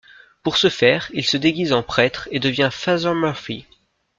Pour ce faire, il se déguise en prêtre et devient Father Murphy.